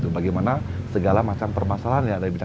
bagaimana segala macam permasalahan yang terjadi di petani